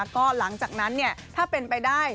ก็หลังจากนั้นถ้าเป็นไปได้